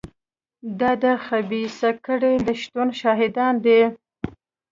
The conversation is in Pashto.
دا د خبیثه کړۍ د شتون شاهدان دي.